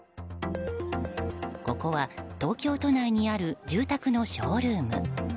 ここは東京都内にある住宅のショールーム。